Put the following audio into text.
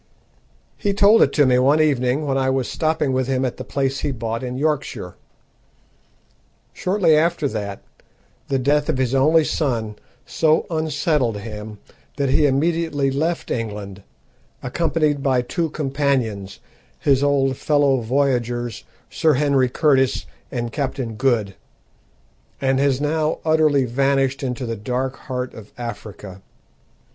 He told it to me one evening when I was stopping with him at the place he bought in Yorkshire. Shortly after that, the death of his only son so unsettled him that he immediately left England, accompanied by two companions, his old fellow voyagers, Sir Henry Curtis and Captain Good, and has now utterly vanished into the dark heart of Africa.